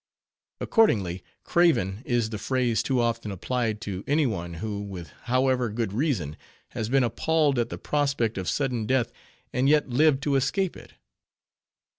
Accordingly, craven is the phrase too often applied to any one who, with however good reason, has been appalled at the prospect of sudden death, and yet lived to escape it.